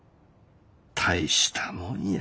大したもんや。